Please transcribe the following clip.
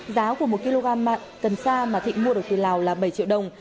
giá của một kg cần xa mà thịnh mua được từ lào là bảy triệu đồng